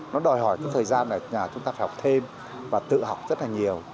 nó đòi hỏi cái thời gian là nhà chúng ta phải học thêm và tự học rất là nhiều